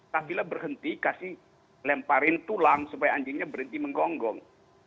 tapilah berhenti kasih lemparin tulang supaya anjingnya berhenti menggonggong